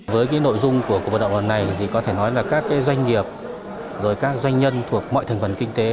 với cái nội dung của cuộc vận động lần này thì có thể nói là các doanh nghiệp rồi các doanh nhân thuộc mọi thành phần kinh tế